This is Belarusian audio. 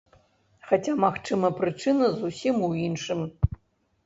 Хаця, магчыма, прычына зусім у іншым.